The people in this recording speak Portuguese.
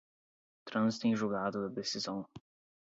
trânsito em julgado da decisão